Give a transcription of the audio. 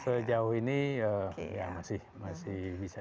sejauh ini masih bisa